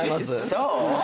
そう？